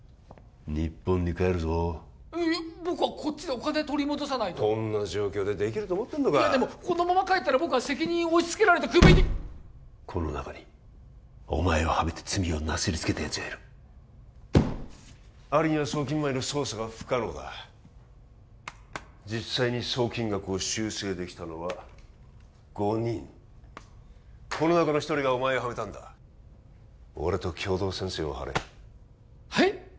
日本に帰るぞいや僕はこっちでお金取り戻さないとこんな状況でできると思ってんのかいやでもこのまま帰ったら僕は責任を押しつけられてクビにこの中にお前をハメて罪をなすりつけたやつがいるアリには送金前の操作は不可能だ実際に送金額を修正できたのは５人この中の一人がお前をハメたんだ俺と共同戦線を張れはい？